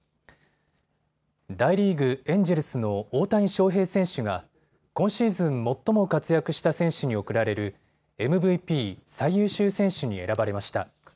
大リーグ、エンジェルスの大谷翔平選手が今シーズン最も活躍した選手に贈られるＭＶＰ・最優秀選手に選ばれました。